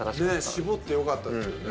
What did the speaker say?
絞ってよかったですよね。